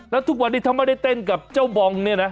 แล้วทุกวันนี้ถ้าไม่ได้เต้นกับเจ้าบองเนี่ยนะ